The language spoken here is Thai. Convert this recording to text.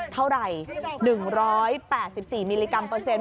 เท่าไหร่๑๘๔มิลลิกรัมเปอร์เซ็นต